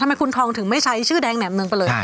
ทำไมคุณทองถึงไม่ใช้ชื่อแดงแหม่มเมืองไปเลย